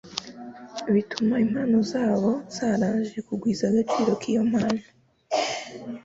bituma impano zabo zaraje kugwiza agaciro k'iyo mpano.